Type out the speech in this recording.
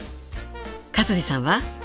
勝地さんは？